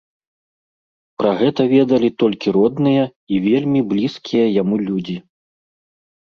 Пра гэта ведалі толькі родныя і вельмі блізкія яму людзі.